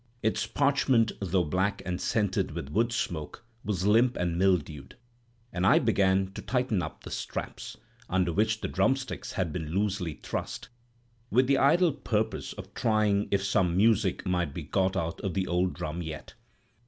Its parchment, though black and scented with wood smoke, was limp and mildewed; and I began to tighten up the straps—under which the drumsticks had been loosely thrust—with the idle purpose of trying if some music might be got out of the old drum yet.